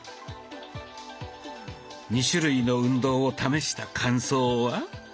２種類の運動を試した感想は？